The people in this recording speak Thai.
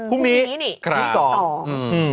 พรุ่งนี้นี่วัน๒๒นครับอืม